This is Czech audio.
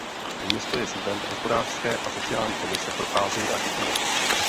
Město je sídlem "Hospodářské a sociální komise pro Asii a Tichomoří".